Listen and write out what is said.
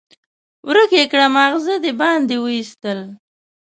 ورک يې کړه؛ ماغزه دې باندې واېستل.